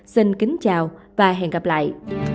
xin kính chào và hẹn gặp lại